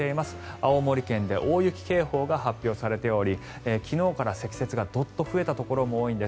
青森県で大雪警報が発表されており昨日から積雪がどっと増えたところも多いんです。